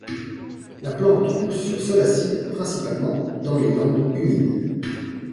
La plante pousse sur sol acide principalement dans les landes humides.